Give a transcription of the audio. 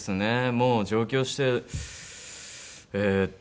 もう上京してえっと